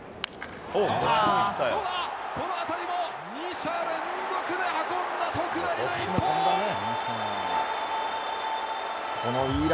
この当たりも２者連続で運んだ特大の一本！